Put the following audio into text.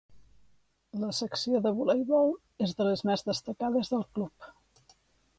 La secció de voleibol és de les més destacades del club.